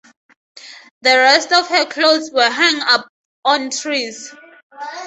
The rest of her clothes were hung up on trees.